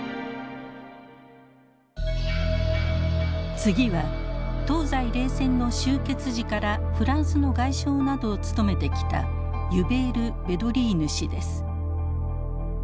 次は東西冷戦の終結時からフランスの外相などを務めてきたユベール・ヴェドリーヌ氏です。